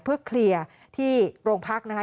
เพื่อเคลียร์ที่โรงพักนะคะ